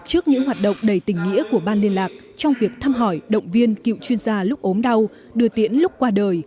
trước những hoạt động đầy tình nghĩa của ban liên lạc trong việc thăm hỏi động viên cựu chuyên gia lúc ốm đau đưa tiễn lúc qua đời